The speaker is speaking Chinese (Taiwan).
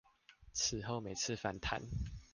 此後每次反彈